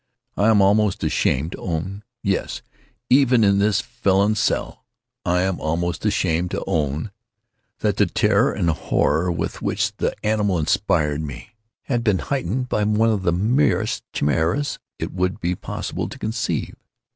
I am almost ashamed to own—yes, even in this felon's cell, I am almost ashamed to own—that the terror and horror with which the animal inspired me, had been heightened by one of the merest chimaeras it would be possible to conceive.